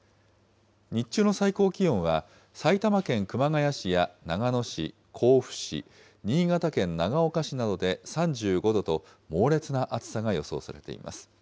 日中の最高気温は、埼玉県熊谷市や長野市、甲府市、新潟県長岡市などで３５度と、猛烈な暑さが予想されています。